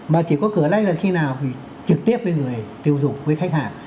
mà chỉ có cửa lách là khi nào trực tiếp với người tiêu dùng với khách hàng